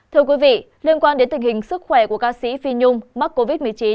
thưa quý vị liên quan đến tình hình sức khỏe của ca sĩ phi nhung mắc covid một mươi chín